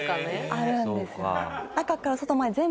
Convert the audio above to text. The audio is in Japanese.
あるんですよ。